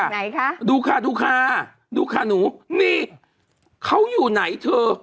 ไหนคะดูค่ะดูค่ะดูค่ะหนูนี่เขาอยู่ไหนเธอ